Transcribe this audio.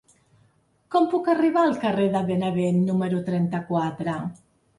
Com puc arribar al carrer de Benevent número trenta-quatre?